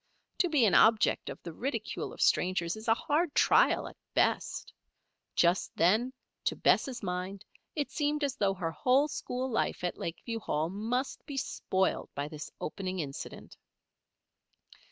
To be an object of the ridicule of strangers is a hard trial at best. Just then, to Bess' mind, it seemed as though her whole school life at Lakeview Hall must be spoiled by this opening incident.